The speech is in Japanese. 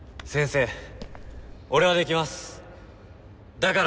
だから。